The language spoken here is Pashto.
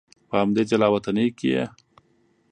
په همدې جلا وطنۍ کې یې.